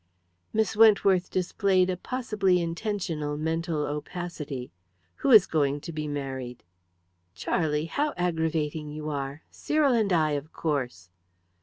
Miss Wentworth displayed a possibly intentional mental opacity. "Who is going to be married?" "Charlie! How aggravating you are! Cyril and I, of course."